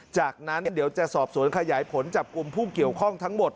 จากนั้นเดี๋ยวจะสอบสวนขยายผลจับกลุ่มผู้เกี่ยวข้องทั้งหมด